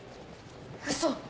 ウソ。